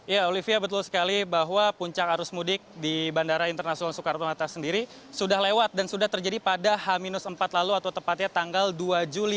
ya olivia betul sekali bahwa puncak arus mudik di bandara internasional soekarno hatta sendiri sudah lewat dan sudah terjadi pada h empat lalu atau tepatnya tanggal dua juli